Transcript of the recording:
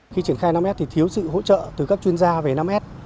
khi triển khai năm s thì thiếu sự hỗ trợ từ các chuyên gia về năm s